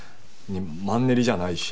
マンネリじゃないし。